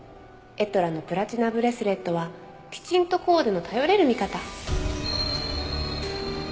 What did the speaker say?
「“エトラ”のプラチナブレスレットはきちんとコーデの頼れる味方！」